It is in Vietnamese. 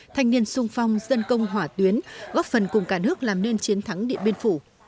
thanh niên sung phong dân công hỏa tuyến góp phần cùng cả nước làm nên chiến thắng điện biên phủ